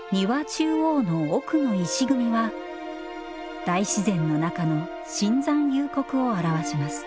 中央の奥の石組みは大自然の中の深山幽谷を表します。